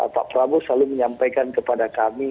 pak prabowo selalu menyampaikan kepada kami